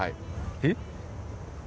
えっ？